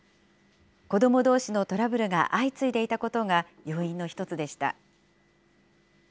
子どもどうしのトラブルが相次いでいたことが要因の一つでした。